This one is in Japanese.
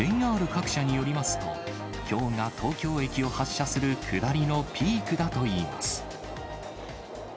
ＪＲ各社によりますと、きょうが東京駅を発車する下りのピークだといいます。